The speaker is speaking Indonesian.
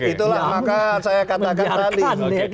itulah maka saya katakan tadi